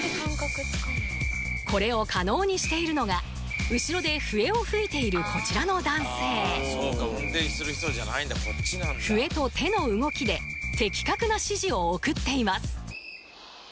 これを可能にしているのが後ろで笛を吹いているこちらの男性笛と手の動きで的確な指示を送っています